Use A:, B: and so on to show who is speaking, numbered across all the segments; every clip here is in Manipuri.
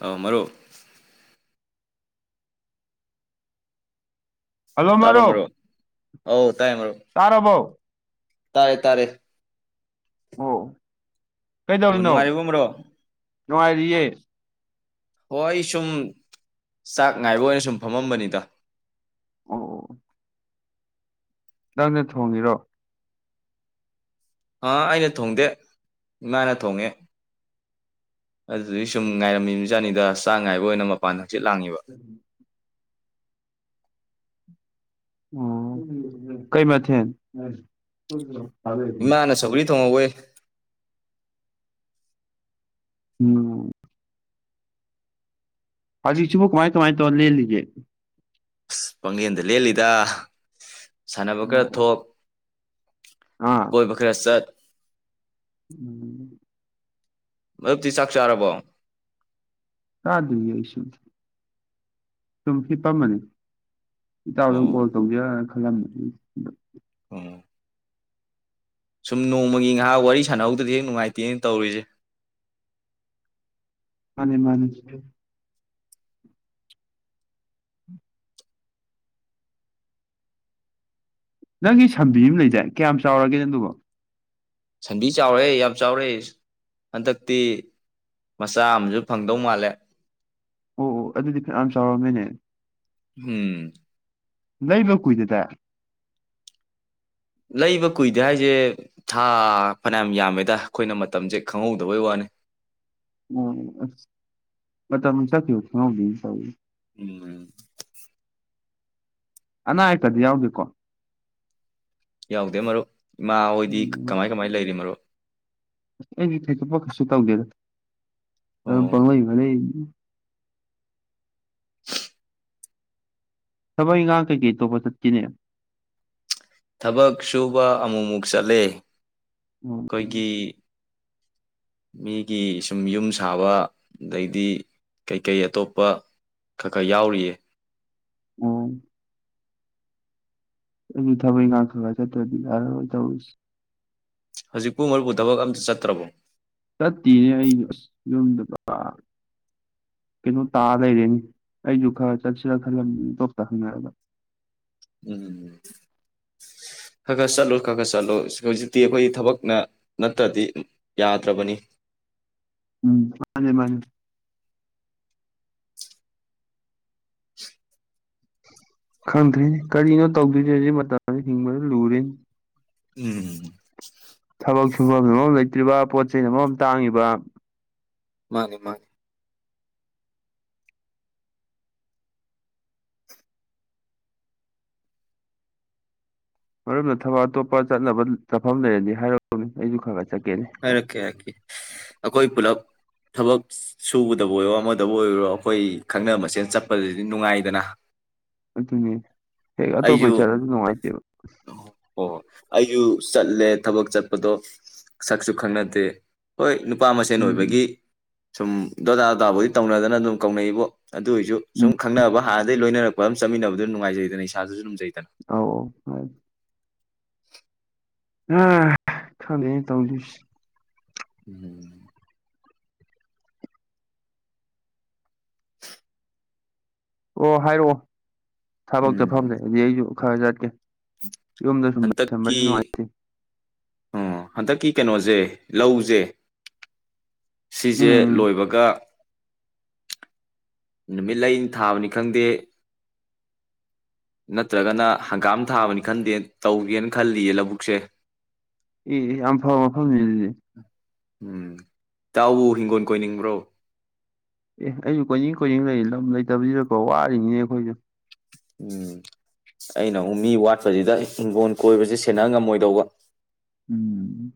A: ꯑ ꯃꯔꯨꯞ ꯇꯥꯕ꯭ꯔꯣ ꯃꯔꯨꯞ ꯑꯧ ꯇꯥꯏ ꯃꯔꯨꯞ
B: ꯇꯥꯔꯕꯣ
A: ꯇꯥꯔꯦ ꯇꯥꯔꯦ
B: ꯑꯣ
A: ꯑꯣ
B: ꯀꯩꯗꯧꯔꯤꯅꯣ
A: ꯅꯨꯡꯉꯥꯏꯔꯤꯕꯣ ꯃꯔꯣ
B: ꯅꯨꯡꯉꯥꯏꯔꯤꯌꯦ
A: ꯍꯣꯏ ꯑꯩ ꯁꯨꯝ ꯆꯥꯛ ꯉꯥꯏꯕ ꯑꯣꯏꯅ ꯁꯨꯝ ꯐꯝꯃꯝꯕꯅꯤꯗ
B: ꯑꯣ ꯅꯪꯅ ꯊꯣꯡꯉꯤꯔꯣ
A: ꯑꯥ ꯑꯩꯅ ꯊꯣꯡꯗꯦ ꯏꯃꯥꯅ ꯊꯣꯡꯉꯦ ꯑꯗꯨꯗꯤ ꯁꯨꯝ ꯉꯥꯏꯔꯝꯃꯤꯕꯃꯤꯆꯥꯅꯤꯗ ꯆꯥꯡ ꯉꯥꯏꯕ ꯑꯣꯏꯅ ꯃꯄꯥꯟ ꯍꯛꯆꯤꯠ ꯂꯥꯡꯏꯤꯕ
B: ꯎꯝ ꯎ ꯀꯩ ꯃꯊ [unintelligible]
A: ꯏꯃꯥꯅ ꯁꯧꯒ꯭ꯔꯤ ꯊꯣꯡꯍꯧꯋꯦ
B: ꯎꯝ ꯐꯒꯤꯁꯤꯕꯨ ꯀꯃꯥꯏꯅ ꯀꯃꯥꯏꯅ ꯇꯧꯅꯦꯜꯂꯤꯒꯦ
A: ꯄꯥꯡꯪꯂꯦꯟꯗ ꯂꯦꯜꯂꯤꯗ ꯁꯥꯟꯅꯕ
B: ꯑꯣ
A: ꯈꯔ
B: ꯑꯣ
A: ꯊꯣꯛ
B: ꯑꯥ
A: ꯀꯣꯏꯕꯈꯔꯦꯁꯠ
B: ꯎꯝ
A: ꯑꯗꯨꯞꯇꯤ ꯆꯥꯛ ꯆꯥꯔꯕꯣ
B: ꯀꯥꯗ꯭ꯣꯏꯌꯦ ꯑꯩ ꯁꯨꯝ ꯁꯨꯝ ꯐꯄꯝꯃꯅꯤ ꯏꯇꯥꯎꯗ ꯇꯧꯖꯅ ꯈꯜꯂꯝꯕ
A: ꯎꯝ ꯁꯨꯝ ꯅꯣꯡꯃꯒꯤ ꯉꯥꯏꯍꯥꯛ ꯋꯥꯔꯤ ꯁꯥꯟꯅꯍꯧꯗꯗꯤ ꯍꯦꯛ ꯅꯨꯡꯉꯥꯏꯇꯦꯅ ꯇꯧꯔꯤꯁꯦ
B: ꯃꯥꯅꯤ ꯃꯥꯅꯤ ꯅꯪꯒꯤ ꯁꯝꯕꯤ ꯑꯃ ꯂꯩꯖꯦ ꯀꯌꯥꯝ ꯆꯥꯎꯔꯒꯦ ꯅꯪꯗꯨꯕꯣ
A: ꯁꯟꯗꯤ ꯆꯥꯎꯔꯦ ꯌꯥꯝ ꯆꯥꯎꯔꯦ ꯍꯟꯗꯛꯇꯤ ꯃꯆꯥ ꯑꯃꯁꯨ ꯐꯪꯗꯧ ꯃꯥꯜꯂꯦ
B: ꯑꯣ ꯑꯣ ꯑꯗꯨꯗꯤ ꯐ ꯌꯥꯝ ꯆꯥꯎꯔꯝꯃꯤꯅꯦ
A: ꯎꯝ
B: ꯂꯩꯕ ꯀꯨ ꯏꯗꯦꯗ
A: ꯂꯩꯕ ꯀꯨꯏꯗꯦ ꯍꯥꯏꯁꯦ ꯊꯥ ꯐꯅꯌꯥꯝ ꯌꯥꯝꯃꯦꯗ ꯑꯩꯈꯣꯏꯅ ꯃꯇꯝꯁꯦ ꯈꯪꯍꯧꯗꯕꯩ ꯋꯥꯅꯤ
B: ꯎ ꯑ ꯆꯊꯨ ꯈꯕꯤ
A: ꯎꯝꯝ
B: ꯑꯅꯥ ꯑꯌꯦꯛꯀꯗꯤ ꯌꯥꯎꯒꯦꯀꯣ
A: ꯌꯥꯎꯗꯦ ꯃꯔꯨꯞ ꯏꯃꯥꯍꯣꯏꯗꯤ
B: ꯎꯝ
A: ꯀꯃꯥꯏ ꯀꯃꯥꯏꯅ ꯂꯩꯔꯤ ꯃꯔꯨꯞ
B: ꯑꯁ ꯑꯩꯗꯤ ꯊꯩꯇꯣꯛꯄ ꯀꯩꯁꯨ ꯇꯧꯗꯦꯗ ꯑꯗꯨ
A: ꯑꯣ
B: ꯄꯥꯩ ꯃꯥꯩ
A: [unintelligible]
B: ꯊꯕꯛ ꯏꯪꯈꯥꯡ ꯀꯩꯀꯩ ꯑꯣꯞꯄ ꯆꯠꯇꯀꯤꯅꯦ
A: ꯊꯕꯛ ꯁꯨꯕ ꯑꯃꯨꯛꯃꯨꯛ ꯆꯠꯂꯦ
B: ꯑꯣ
A: ꯑꯩꯈꯣꯏꯒꯤ ꯃꯤꯒꯤ ꯁꯨꯝ ꯌꯨꯝ ꯁꯥꯕ ꯑꯗꯩꯗꯤ ꯀꯩ ꯀꯩ ꯑꯇꯣꯞꯄ ꯈꯔ ꯈꯔ ꯌꯥꯎꯔꯤꯌꯦ
B: ꯑꯣ ꯑꯗꯨ ꯊꯕ ꯉꯅꯥ ꯈꯒ ꯆꯠꯠꯇꯗꯤ ꯑꯔ ꯇꯧ
A: ꯍꯧꯖꯤꯛꯄꯨ ꯃꯔꯨ ꯊꯕꯛ ꯑꯝꯇ ꯆꯠꯇ꯭ꯔꯕꯣ
B: ꯆꯠꯇꯤꯅꯦ ꯑꯩꯩꯅ ꯑꯁ ꯌꯨꯝꯗꯨ ꯀꯩꯅꯣ ꯇꯥ ꯂꯩꯔꯦꯅꯤ ꯑꯩꯁꯨ ꯈꯔ ꯆꯠꯁꯤꯔ ꯈꯜꯂ ꯇꯇꯣꯞꯇ ꯍꯪꯅꯔꯒ
A: ꯎꯝ ꯈ ꯈ ꯆꯠꯂꯨ ꯈ ꯈ ꯆꯠꯂꯨ ꯍꯧꯖꯤꯛꯇꯤ ꯑꯩꯈꯣꯏ ꯊꯕꯛꯅ ꯅꯠꯇ꯭ꯔꯗꯤ ꯌꯥꯗ꯭ꯔꯕꯅꯤ
B: ꯎꯝ ꯃꯥꯅꯦ ꯃꯥꯅꯦ ꯈꯪꯗ꯭ꯔꯦꯅꯦ ꯀꯔꯤꯅꯣ ꯇꯧꯗꯣꯏꯁꯦꯣ ꯍꯧꯖꯤꯦ ꯃꯇꯝꯗ ꯍꯤꯡꯕꯗ ꯂꯨꯔꯦ
A: ꯎꯝ
B: ꯊꯕꯛ ꯁꯨꯐꯝꯃꯝ ꯂꯩꯇ꯭ꯔꯤꯕ ꯄꯣꯠꯆ ꯑꯃꯃꯝ ꯇꯥꯡꯉꯤꯕ
A: ꯃꯥꯅꯦ ꯃꯥꯅꯦ
B: ꯃꯔꯝꯅ ꯊꯕꯛ ꯑꯇꯣꯞꯄ ꯆꯠꯅꯕ ꯆꯠꯐꯝ ꯂꯩꯔꯅꯤ ꯍꯥꯏꯔꯅꯤ ꯑꯩꯁꯨ ꯈꯪꯒꯁꯤ
A: ꯍꯥꯏꯔꯛꯀꯦ ꯍꯥꯏꯔꯛꯀꯦ ꯑꯩꯈꯣꯏ ꯄꯨꯂꯞ ꯊꯕꯛ ꯁꯨꯕꯗꯕꯨ ꯑꯣꯏꯔꯣ ꯑꯃꯗꯕꯨ ꯑꯣꯏꯔꯣ ꯑꯩꯈꯣꯏ ꯈꯪꯅꯕ ꯃꯆꯦꯜ ꯆꯠꯄꯗꯗꯤ ꯅꯨꯡꯉꯥꯏꯗꯅ
B: ꯑꯗꯨꯅꯦ ꯍꯦꯛ ꯑꯇꯣꯞꯄ ꯏꯆꯥꯗ ꯑꯗꯨ ꯅꯨꯡꯉꯥꯏꯇꯦꯕ
A: ꯍꯣꯏ ꯑꯩꯁꯨ ꯆꯠꯂꯦ ꯊꯕꯛ ꯆꯠꯄꯗꯣ ꯁꯛꯁꯨ ꯈꯪꯅꯗꯦ ꯍꯣꯏ ꯅꯨꯄꯥ ꯃꯁꯦꯟ
B: ꯎꯝ
A: ꯑꯣꯏꯕꯒꯤ ꯁꯨꯝ ꯗꯣꯗꯥ ꯗꯣꯗꯥꯕꯨꯗꯤ ꯇꯧꯅꯗꯅ ꯑꯗꯨꯝ ꯀꯧꯅꯩꯕꯨ ꯑꯗꯨꯏꯁꯨ
B: ꯎꯝ
A: ꯁꯨꯝ ꯈꯪꯅꯕ ꯍꯥꯟꯅꯗꯒꯤ ꯂꯣꯏꯅꯔꯛꯄ ꯃ ꯌꯥꯝ ꯆꯠꯃꯤꯟꯅꯕꯗꯨꯅ ꯅꯨꯡꯉꯥꯏꯖꯩꯅ ꯏꯁꯥꯁꯨ ꯅꯨꯡꯖꯩꯗꯅ
B: ꯑꯧ ꯑꯧ ꯑ ꯈꯪꯗꯦꯅꯦ ꯇꯧꯗꯣꯐꯁꯦ
A: ꯎꯝ
B: ꯑꯣ ꯍꯥꯏꯔꯛꯑꯣ ꯊꯕꯛ
A: ꯎꯝ
B: ꯆꯠꯐꯝ ꯂꯩꯔꯗꯤ ꯑꯩꯁꯨ ꯈꯔ ꯆꯠꯀꯦ ꯌꯨꯝꯗ ꯁꯨꯝ
A: ꯍꯟꯗꯛꯀꯤ
B: ꯂꯩꯁꯟꯕꯁꯦ ꯅꯨꯡꯉꯥꯏꯇꯦ
A: ꯑꯣ ꯍꯟꯗꯛꯀꯤ ꯀꯩꯅꯣꯁꯦ ꯂꯧꯁꯦ ꯁꯤꯁꯦ
B: ꯎꯝ
A: ꯂꯣꯏꯕꯒ ꯅꯨꯃꯤꯠ ꯂꯩꯅꯤ ꯊꯥꯕꯅꯤ ꯈꯪꯗꯦ ꯅꯠꯇ꯭ꯔꯒꯅ ꯍꯪꯒꯥꯝ ꯊꯥꯕꯅꯤ ꯈꯟꯗꯦ ꯇꯧꯒꯦꯅ ꯈꯜꯂꯤꯌꯦ ꯂꯧꯕꯨꯛꯁꯦ
B: ꯑꯦ ꯌꯥꯝ ꯐꯕ ꯋꯥꯐꯝꯅꯦ ꯑꯗꯨꯗꯤ
A: ꯎꯝ ꯏꯇꯥꯎꯕꯨ ꯍꯤꯡꯒꯣꯜ ꯀꯣꯏꯅꯤꯡꯕ꯭ꯔꯣ
B: ꯑꯦ ꯑꯩꯁꯨ ꯀꯣꯏꯅꯤꯡ ꯀꯣꯏꯅꯔꯡ ꯂꯩꯅꯦ ꯂꯝ ꯂꯩꯇꯕꯁꯤꯗꯀꯣ ꯋꯥꯔꯤꯅꯤꯅꯦ ꯑꯩꯈꯣꯏꯁꯨ
A: ꯎꯝ ꯑꯩꯅ ꯃꯤ ꯋꯥꯠꯄꯁꯤꯗ ꯍꯤꯡꯒꯣꯜ ꯀꯣꯏꯕꯁꯤ ꯁꯦꯟꯅ ꯉꯝꯃꯣꯏꯗꯧꯕ
B: ꯎꯝ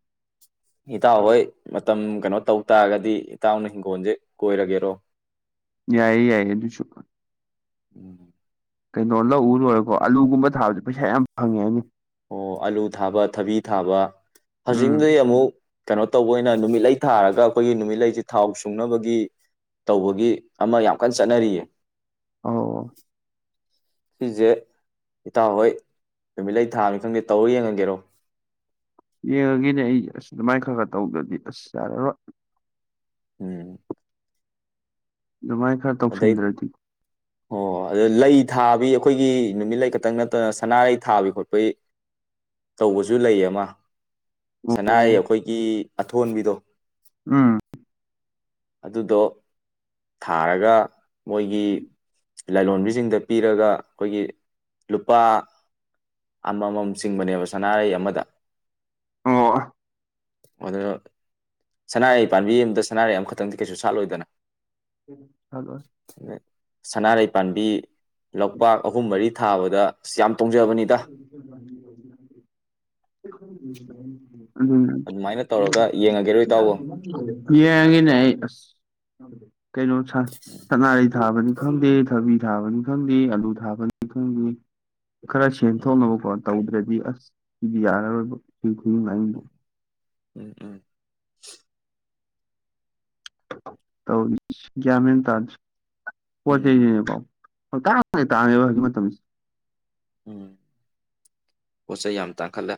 A: ꯏꯇꯥꯎ ꯍꯣꯏ ꯃꯇꯝ ꯀꯩꯅꯣ ꯇꯧ ꯇꯥꯔꯒꯗꯤ ꯏꯇꯥꯎꯅ ꯍꯤꯡꯒꯣꯜꯁꯦ ꯀꯣꯏꯔꯒꯦꯔꯣ
B: ꯌꯥꯏꯌꯦ ꯌꯥꯏꯌꯦ ꯑꯗꯨꯁꯨ ꯀꯩꯅꯣ ꯂꯧꯎ ꯂꯣꯏꯦꯀꯣ ꯑꯥꯂꯨꯒꯨꯝꯕ ꯊꯥꯕꯗ ꯄꯩꯁꯥ ꯌꯥꯝ ꯐꯪꯉꯦ ꯍꯥꯏꯅꯤ
A: ꯑꯣ ꯑꯂꯨ ꯊꯥꯕ ꯊꯕꯤ ꯊꯥꯕ
B: ꯎꯝ
A: ꯍꯧꯖꯤꯛꯗꯤ ꯑꯃꯨꯛ ꯀꯩꯅꯣ ꯇꯧꯕ ꯑꯣꯏꯅ ꯅꯨꯃꯤꯠꯂ ꯊꯥꯔꯒ ꯑꯩꯈꯣꯏꯒꯤ ꯅꯨꯃꯤꯠꯂꯁꯤ ꯊꯥꯎ ꯁꯨꯡꯅꯕꯒꯤ ꯇꯧꯕꯒꯤ ꯑꯃ ꯌꯥꯝ ꯀꯟꯅ ꯆꯠꯅꯔꯤꯌꯦ
B: ꯑꯣ
A: ꯁꯤꯁꯦ ꯏꯇꯥꯎ ꯍꯣꯏ ꯅꯨꯃꯤꯠ ꯂꯩꯩ ꯊꯥꯅꯤ ꯈꯪꯗꯦ ꯇꯧꯔ ꯌꯦꯡꯉꯥꯒꯦꯔꯣ
B: ꯌꯦꯡꯉꯒꯅꯦ ꯑꯩ ꯑꯁ ꯑꯗꯨꯃꯥꯏꯅ ꯈꯔ ꯈꯔ ꯇꯧꯗ꯭ꯔꯗꯤ ꯑꯁ ꯌꯥꯔꯔꯣꯏ
A: ꯎꯝ
B: ꯑꯗꯨꯃꯥꯏꯅ ꯈꯔ
A: ꯑꯗꯩ
B: ꯇꯧꯁꯤꯟꯗ꯭ꯔꯗꯤ
A: ꯑꯣ ꯑꯗꯨꯗ ꯂꯩ ꯊꯥꯕꯤ ꯑꯩꯈꯣꯏꯒꯤ ꯅꯨꯃꯤꯠꯂꯩ ꯈꯛꯇꯪ ꯅꯠꯇꯅ ꯁꯅꯥꯔꯩ ꯊꯥꯕꯤ ꯈꯣꯠꯄꯒꯤ ꯇꯧꯕꯁꯨ ꯂꯩ ꯑꯃ
B: ꯑꯣ
A: ꯁꯅꯥꯔꯩ ꯑꯩꯈꯣꯏꯒꯤ ꯑꯊꯣꯟꯕꯤꯗꯣ
B: ꯎꯝ
A: ꯑꯗꯨꯗꯣ ꯊꯥꯔꯒ ꯃꯣꯏꯒꯤ ꯂꯥꯏꯂꯣꯟꯕꯤꯁꯤꯡꯗ ꯄꯤꯔꯒ ꯑꯩꯈꯣꯏꯒꯤ ꯂꯨꯄꯥ ꯑꯃ ꯑꯃꯝ ꯆꯤꯡꯕꯅꯦꯕ ꯁꯅꯥꯔꯩ ꯑꯃꯗ
B: ꯑꯣ
A: ꯑꯗꯨꯅ ꯁꯅꯥꯔꯩ ꯄꯥꯝꯕꯤ ꯑꯃꯇ ꯁꯅꯥꯔꯍꯤ ꯑꯃꯈꯛꯇꯪꯗꯤ ꯀꯩꯁꯨ ꯁꯥꯠꯂꯣꯏꯗꯅ
B: ꯎꯝ ꯁꯥꯠꯂꯣꯏ
A: ꯁꯅꯥꯔꯩ ꯄꯥꯝꯕꯤ ꯂꯄꯥꯛ ꯑꯍꯨꯝ ꯃꯔꯤ ꯊꯥꯕꯗ ꯑ ꯌꯥꯝ ꯇꯣꯡꯖꯕꯅꯤ
B: [unintelligible] ꯑꯗꯨꯅꯦ
A: ꯑꯗꯨꯃꯥꯏꯅ ꯇꯧꯔꯒ ꯌꯦꯡꯉꯒꯦꯔꯣ ꯏꯇꯥꯎꯕꯣ
B: ꯌꯦꯡꯉꯤꯅꯦ ꯑꯩ ꯑꯁ ꯀꯩꯅꯣ ꯁꯥꯅꯔꯩ ꯊꯥꯕꯅꯤ ꯈꯪꯗꯦ ꯊꯕꯤ ꯊꯥꯕꯅꯤ ꯈꯪꯗꯦ ꯑꯂꯨ ꯊꯥꯕꯅꯤ ꯈꯪꯗꯦ ꯈꯔ
A: ꯎꯝ
B: ꯁꯦꯝꯦꯟꯊꯣꯛꯅꯕ ꯈꯣꯠ ꯇꯧꯗ꯭ꯔꯗꯤ ꯑꯁ ꯁꯤꯗꯤ ꯌꯥꯔꯔꯣꯏꯕ ꯁꯤ ꯈꯨꯍꯤꯡ ꯂꯥꯛꯍꯤꯡ
A: ꯎꯝ
B: ꯇꯧꯁꯤ ꯒꯌꯥꯟ ꯃꯦꯟ ꯇꯥꯗ ꯔꯦ ꯄꯣꯠ
A: ꯎꯝ
B: ꯆꯩꯅꯀꯣ ꯄꯪꯇꯥꯡꯗ ꯇꯥꯡꯉꯦꯕ ꯍꯧꯖꯤꯛ ꯃꯇꯝꯁꯤ
A: ꯎꯝ ꯄꯣꯠꯆꯩ ꯌꯥꯝ ꯇꯥꯡꯈꯠꯂꯦ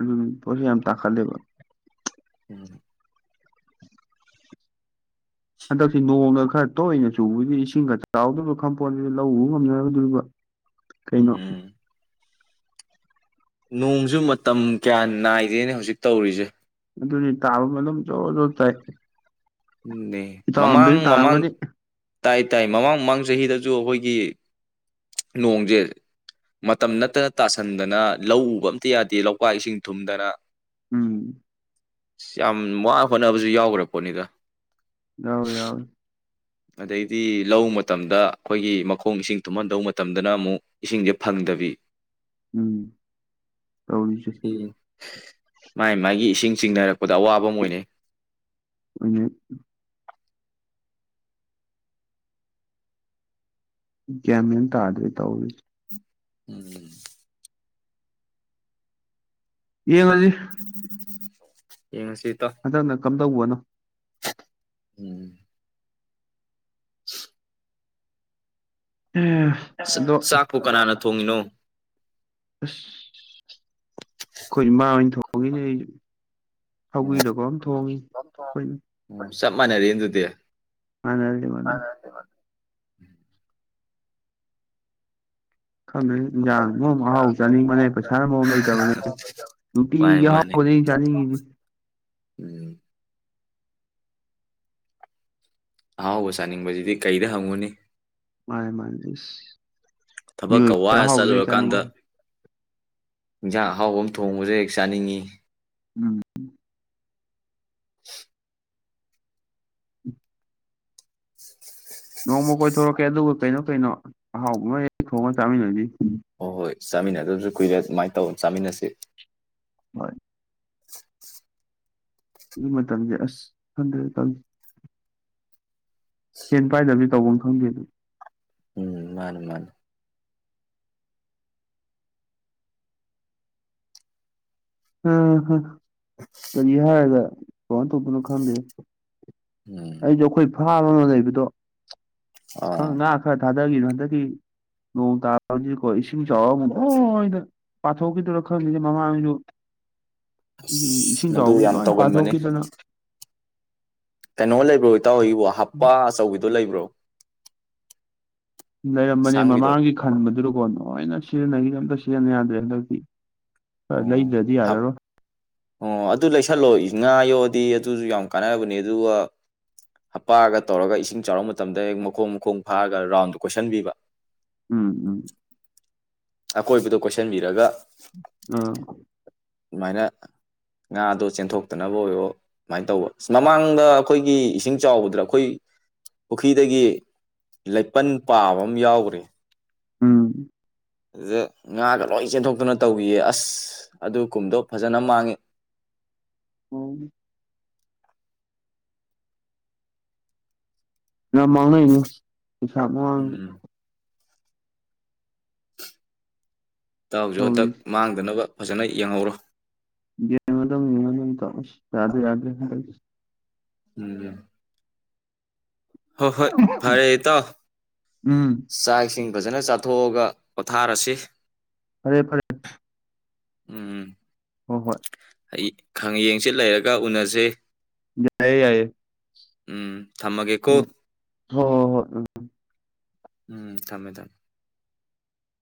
B: ꯎꯝ ꯄꯣꯠ ꯆꯩ ꯌꯥꯝ ꯇꯥꯡꯈꯠꯂꯦꯕ
A: [unintelligible]
B: ꯍꯟꯗꯛꯁꯤ ꯅꯣꯡꯗ ꯈꯔ ꯇꯣꯛꯏꯅ ꯆꯨꯕꯗꯤ ꯏꯁꯤꯡꯒ ꯆꯥꯎꯗꯧꯕ ꯈꯪꯄꯣꯁꯤꯗ ꯂꯧ ꯎꯕ ꯉꯝꯃꯣꯢꯗꯧꯔꯤꯕ
A: ꯎꯝ ꯅꯣꯡꯖꯨ ꯃꯇꯝ ꯀꯌꯥ ꯅꯥꯏꯗꯦꯅ‌ꯦ ꯍꯧꯖꯤꯛ ꯇꯧꯔꯤꯁꯦ꯫
B: ꯑꯗꯨꯅꯤ ꯇꯥꯕ ꯑꯗꯨꯝ ꯖꯣꯔ ꯖꯣꯔ ꯇꯥꯏ
A: ꯑꯗꯨꯅꯦ ꯃꯃꯥꯡ
B: ꯏꯇꯥꯎꯔꯣꯝꯗꯁꯨ
A: ꯃꯃꯥꯡ
B: ꯇꯥꯔꯝꯒꯅꯤ
A: ꯇꯥꯏ ꯇꯥꯏ ꯃꯃꯥꯡ ꯃꯃꯥꯡ ꯆꯍꯤꯗꯁꯨ ꯑꯩꯈꯣꯏꯒꯤ ꯅꯣꯡꯖꯦ ꯃꯇꯝ ꯅꯠꯇꯅ ꯇꯥꯁꯟꯗꯅ ꯂꯧ ꯎꯕ ꯑꯝꯇ ꯌꯥꯗꯦ ꯂꯧꯄꯥꯛ ꯏꯁꯤꯡ ꯊꯨꯝꯗꯅ
B: ꯎꯝ꯫
A: ꯑꯁ ꯌꯥꯝ ꯋꯥꯅ ꯍꯣꯠꯅꯕꯁꯨ ꯌꯥꯎꯈ꯭ꯔ ꯄꯣꯠꯅꯤꯗ꯫
B: ꯌꯥꯎꯔꯦ ꯌꯥꯎꯔꯦ꯫
A: ꯑꯗꯩꯗꯤ ꯂꯧ ꯃꯇꯝꯗ ꯑꯩꯈꯣꯏꯒꯤ ꯃꯈꯣꯡ ꯏꯁꯤꯡ ꯊꯨꯝꯍꯟꯗꯧꯕ ꯃꯇꯝꯗꯅ ꯑꯃꯨꯛ ꯏꯁꯤꯡꯁꯦ ꯐꯪꯗꯕꯤ
B: ꯎꯝ ꯇꯧꯔꯤꯖꯦ꯫
A: ꯎꯝ ꯃꯥꯏ ꯃꯥꯏꯒꯤ ꯏꯁꯤꯡ ꯆꯤꯡꯅꯔꯛꯄꯗ ꯑꯋꯥꯕ ꯑꯃ ꯑꯣꯏꯅꯩ꯫
B: [unintelligible] ꯒ꯭ꯌꯥꯟ ꯃꯦꯟ ꯑꯃ ꯇꯥꯗ꯭ꯔ‌ꯦ ꯇꯧꯔꯤꯁꯦ
A: ꯎꯝ꯫
B: ꯌꯦꯡꯉꯖꯤ
A: ꯌꯦꯡꯉꯁꯤ ꯏꯇꯥꯎ꯫
B: ꯍꯟꯗꯛꯅ ꯀꯝꯗꯧꯕꯅꯣ꯫
A: ꯎꯝ꯫ [unintelligible]
B: [unintelligible]
A: ꯑꯁ ꯆꯥꯛꯄꯨ ꯀꯅꯥꯅ ꯊꯣꯡꯉꯤꯅꯣ꯫
B: ꯑꯁ ꯑꯩꯈꯣꯏ ꯏꯃꯥ ꯍꯣꯏꯅ ꯊꯣꯡꯉꯤꯅꯦ ꯑꯩ ꯁꯧꯒꯔꯤꯔ ꯀꯩꯅꯣꯝ ꯊꯣꯡꯉꯤ ꯑꯩꯈꯣꯏ
A: ꯎꯝ ꯆꯞ ꯃꯥꯟꯅꯔꯦꯅꯦ ꯑꯗꯨꯗꯤ꯫
B: ꯃꯥꯟꯅꯔꯦ ꯃꯥꯟꯅꯔꯦ꯫ ꯈꯪꯗ꯭ꯔꯦ ꯏꯟꯖꯥꯡꯅ ꯃꯔꯣꯟ ꯑꯍꯥꯎ ꯆꯥꯅꯤꯡꯕꯅꯦ ꯄꯩꯁꯥ ꯃꯔꯣꯟ ꯑꯃ ꯂꯩꯇꯕꯅꯦ꯫
A: ꯃꯥꯅꯤ
B: ꯅꯨꯡꯇꯤꯒꯤ
A: ꯃꯥꯅꯤ
B: ꯑꯍꯥꯎꯕꯅꯦ ꯑꯩ ꯆꯥꯅꯤꯡꯉꯤꯁꯦ꯫
A: ꯎꯝ꯫ ꯑꯍꯥꯎꯕ ꯆꯥꯅꯤꯡꯕꯁꯤꯗꯤ ꯀꯩꯗ ꯍꯪꯉꯨꯅꯤ
B: ꯃꯥꯅꯦ ꯃꯥꯅꯦ ꯏꯁ
A: ꯊꯕꯛꯀ
B: ꯃꯤꯑꯣꯏꯕꯅꯤꯅ
A: ꯋꯥꯔ
B: ꯑꯍꯥꯎꯕꯁꯨ ꯍꯦꯛ ꯆꯥꯅꯤꯡꯉꯤ꯫
A: ꯆꯠꯂꯨꯔꯀꯥꯟꯗ ꯏꯟꯖꯥꯡ ꯑꯍꯥꯎꯕ ꯑꯃ ꯊꯣꯡꯕꯁꯨ ꯍꯦꯛ ꯆꯥꯅꯤꯡꯏ
B: ꯎꯝ
A: [unintelligible]
B: ꯅꯣꯡꯃ ꯀꯣꯏꯊꯣꯔꯛꯀꯦ ꯑꯗꯨꯒ ꯀꯩꯅꯣ ꯀꯩꯅꯣ ꯑꯍꯥꯎꯕ ꯑꯃ ꯍ‌ꯦꯛ ꯊꯣꯡꯉ ꯆꯥꯃꯤꯟꯅꯁ‌ꯦ
A: ꯍꯣꯏ ꯍꯣꯏ ꯆꯥꯃꯤꯟꯅꯗꯕꯁꯨ ꯀꯨꯏꯔꯦ ꯑꯗꯨꯃꯥꯏꯅ ꯇꯧꯔ ꯆꯥꯃꯤꯟꯅꯁꯤ
B: ꯍꯣꯏ ꯍꯧꯖꯤꯛ ꯃꯇꯝꯖꯦ ꯑꯁ ꯈꯪꯗ꯭ꯔꯦꯗ ꯇꯧꯔꯤꯖꯦ꯫ ꯁ‌ꯦꯟ ꯄꯥꯏꯗꯕꯁꯤ ꯇꯧꯐꯝ ꯈꯪꯗꯦ ꯑꯗꯨꯅꯤ
A: ꯎꯝ ꯃꯥꯅꯤ ꯃꯥꯅꯤ
B: ꯝ ꯀꯔꯤ ꯍꯥꯏꯔꯒ ꯀꯩꯅ‌ꯣ ꯇꯧꯗ‌ꯣꯏꯅ‌ꯣ ꯈꯪꯗꯦꯗ
A: ꯎꯝ
B: ꯑꯩꯁꯨ ꯑꯩꯈꯣꯏ ꯐꯥꯝ ꯑꯃ ꯂꯩꯕꯗꯣ ꯈꯔ
A: ꯑꯥ
B: ꯉꯥ ꯈꯔ ꯊꯥꯗꯈꯤꯕꯗ‌ꯣ ꯍꯟꯗꯛꯀꯤ ꯅꯣꯡ ꯇꯥꯕꯒꯤꯀꯣ ꯏꯁꯤꯡ ꯆꯥꯎꯔ ꯑꯃꯨꯛ ꯂ‌ꯣꯏꯅ ꯄꯥꯊꯣꯛꯈꯤꯗ‌ꯣꯏꯔ ꯈꯪꯗ‌ꯦꯅ‌ꯦ ꯃꯃꯥꯡꯁꯨ
A: ꯑꯁ
B: ꯏꯁꯤꯡ
A: ꯃꯗꯨ
B: ꯆꯥꯎꯕꯒꯤ
A: ꯌꯥꯝ
B: ꯂꯣꯏ
A: ꯇꯧꯒꯟꯕꯅꯤ
B: ꯄꯥꯊꯣꯛꯈꯤꯗꯅ
A: ꯀꯩꯅꯣ ꯂꯩꯕ꯭ꯔꯣ ꯏꯇꯥꯎ ꯒꯤꯕꯨ ꯍꯞꯄꯥ ꯑꯆꯧꯕꯤꯗꯣ ꯂꯩꯕ꯭ꯔꯣ
B: ꯂꯩꯔꯝꯕꯅꯦ
A: ꯑꯁꯥꯡꯕꯤꯗꯣ
B: ꯃꯃꯥꯡꯒꯤ ꯈꯟꯕꯗꯨꯗꯀꯣ ꯂꯣꯏꯅ ꯁꯤꯖꯤꯟꯅꯈꯤꯗꯅ ꯑꯝꯇ ꯁꯤꯖꯤꯟꯅꯕ ꯌꯥꯗ꯭ꯔꯦ ꯍꯟꯗꯛꯇꯤ ꯑꯥ
A: ꯑꯣ
B: ꯂꯩꯗ꯭ꯔꯗꯤ
A: ꯍꯥꯞ
B: ꯌꯥꯔꯔꯣꯏ
A: ꯑꯣ ꯑꯗꯨ ꯂꯩꯁꯜꯂꯣ ꯉꯥ ꯌꯣꯑꯗꯤ ꯑꯗꯨꯁꯨ ꯌꯥꯝ ꯀꯥꯟꯅꯕꯅꯦ ꯑꯗꯨꯒ ꯍꯞꯄꯥꯒ ꯇꯧꯔꯒ ꯏꯁꯤꯡ ꯆꯥꯎꯔꯛ ꯃꯇꯝꯗ ꯍꯦꯛ ꯃꯈꯣꯡ ꯃꯈꯣꯡ ꯐꯥꯔꯒ ꯔꯥꯎꯟꯗ‌ꯣ ꯀꯣꯏꯁꯤꯟꯕꯤꯕ
B: ꯎꯝ ꯎꯝ
A: ꯑꯀꯣꯏꯕꯗꯣ ꯀꯣꯏꯁꯟꯕꯤꯔꯒ
B: ꯑ
A: ꯑꯗꯨꯃꯥꯏꯅ ꯉꯥꯗꯣ ꯆꯦꯟꯊꯣꯛꯇꯅꯕ ꯑꯣꯏꯔꯣ ꯁꯨꯃꯥꯏꯅ ꯇꯧꯕ ꯑ ꯃꯃꯥꯡꯗ ꯑꯩꯈꯣꯏꯒꯤ ꯏꯁꯤꯡ ꯆꯥꯎꯕꯗ꯭ꯔ ꯑꯩꯈꯣꯏ ꯄꯨꯈ꯭ꯔꯤꯗꯒꯤ ꯂꯩꯄꯟ ꯄꯥꯕ ꯑꯃ ꯌꯥꯎꯈ꯭ꯔꯦ
B: ꯎꯝ
A: ꯑꯗꯨ ꯉꯥꯒ ꯂꯣꯏ ꯆꯦꯟꯊꯣꯛꯇꯨꯅ ꯇꯧꯈꯤꯌꯦ ꯑꯁ ꯑꯗꯨ ꯀꯨꯝꯗꯣ ꯐꯖꯅ ꯃꯥꯡꯉꯦ
B: ꯎꯝ ꯌꯥꯝ ꯃꯥꯡꯅꯅꯤ ꯄꯩꯁꯥ ꯃꯥꯡ
A: ꯎꯝ ꯇꯥꯎꯁꯨ ꯍꯟꯗꯛ
B: ꯇꯧꯔꯤꯁꯦ
A: ꯃꯥꯡꯗꯅꯕ ꯐꯖꯅ ꯌꯦꯡꯍꯧꯔꯣ
B: ꯗ ꯌꯥ
A: ꯎꯝ ꯍꯣꯏ ꯍꯣꯏ ꯐꯔꯦ ꯏ ꯇꯣ
B: ꯎꯝ
A: ꯆꯥꯛ ꯏꯁꯤꯡ ꯐꯖꯅ ꯆꯥꯊꯣꯛꯑꯒ ꯄꯣꯊꯥꯔꯁꯤ
B: ꯐꯔꯦ ꯐꯔꯦ
A: ꯎꯝ ꯎ
B: ꯍꯣ ꯍꯣꯏ
A: ꯌꯦꯡꯁꯤꯤꯠ ꯂꯩꯔꯒ ꯎꯅꯖꯩ
B: ꯌꯥꯑꯌꯦ ꯌꯥꯏꯌꯦ
A: ꯎꯝ ꯊꯝꯃꯒꯦ ꯀꯣ
B: ꯍ ꯍꯣꯏ ꯎꯝ
A: ꯎꯝ ꯊꯃꯦ ꯊꯅ